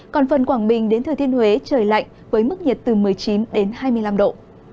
còn phần quảng bình đến thừa thiên huế trời lạnh với mức nhiệt từ một mươi chín đến hai mươi năm độ